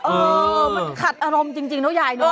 เออมันขัดอารมณ์จริงนะยายเนอะ